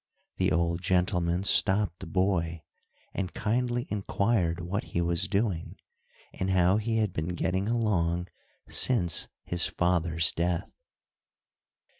The old gentleman stopped the boy, and kindly inquired what he was doing, and how he had been getting along since his father's death.